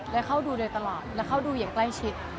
และเข้าดูโดยตลอดและเข้าดูอย่างใกล้ชิด